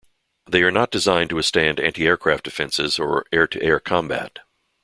They are not designed to withstand antiaircraft defenses or air-to-air combat.